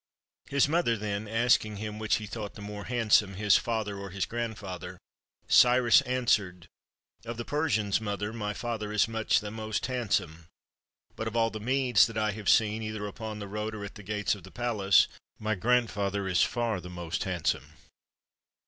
His mother then asking him which he thought the more handsome, his father or his grandfather, Cyrus answered, " Of the Persians, mother, my father is much the most handsome; but of all the Medes that I have seen, either upon the road or at the gates of the palace, my grandfather is far the most handsome."